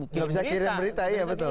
tidak bisa kirim berita